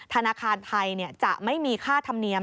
ธนาคารไทยจะไม่มีค่าธรรมเนียม